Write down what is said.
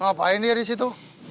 ngapain dia disitu